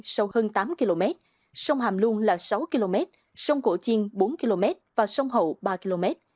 sâu hơn tám km sông hàm luông là sáu km sông cổ chiên bốn km và sông hậu ba km